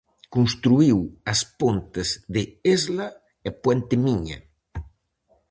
Construíu as pontes de Esla e Puente Miña.